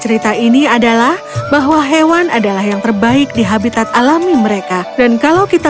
cerita ini adalah bahwa hewan adalah yang terbaik di habitat alami mereka dan kalau kita